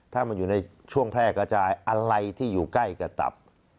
ถ้ามันอยู่ในช่วงแพร่กระจายอะไรที่อยู่ใกล้กับตับ